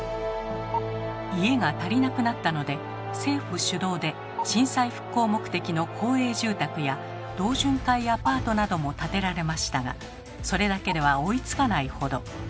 家が足りなくなったので政府主導で震災復興目的の公営住宅や同潤会アパートなども建てられましたがそれだけでは追いつかないほど。